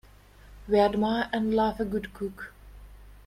We admire and love a good cook.